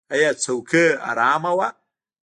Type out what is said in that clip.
ایا څوکۍ ارامه وه؟